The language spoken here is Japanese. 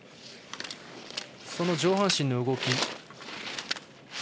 この上半身の動き。